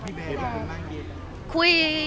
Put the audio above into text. กับพี่เบรคุยบ้างเยอะยัง